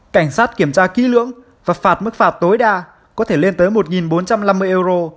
cảnh sát kiểm tra kỹ lưỡng và phạt mức phạt tối đa có thể lên tới một bốn trăm năm mươi euro